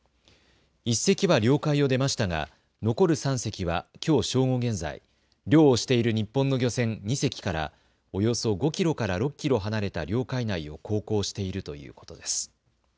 １隻は領海を出ましたが残る３隻はきょう正午現在、漁をしている日本の漁船２隻からおよそ５キロから６キロ離れた領海内を航行しているということです。